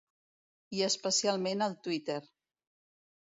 I especialment al Twitter.